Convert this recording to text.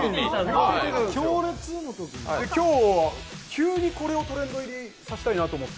今日は急にこれをトレンド入りさせたいなと思って。